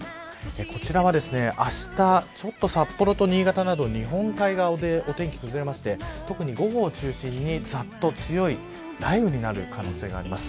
こちらは、あしたちょっと札幌と新潟など日本海側でお天気が崩れて特に午後を中心にざっと強い雷雨になる可能性があります。